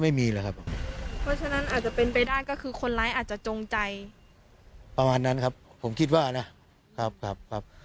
ไม่มีครับไม่มีครับ